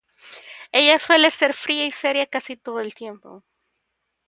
Ella suele ser fría y seria casi todo el tiempo.